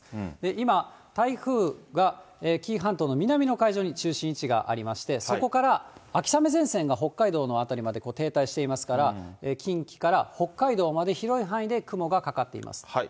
今、台風が紀伊半島の南の海上に中心位置がありまして、そこから秋雨前線が北海道の辺りまで停滞していますから、近畿から北海道まで広い範囲で雲がかかっています。